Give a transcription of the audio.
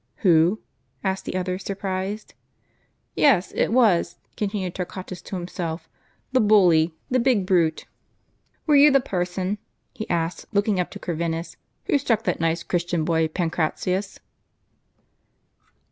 " Who? " asked the other, surprised. "Yes, it was," continued Torquatus to himself, — "the bully, the big brute. Were you the person," he asked, look ing up to Corvinus, "who struck that nice Cliristian boy Pancratius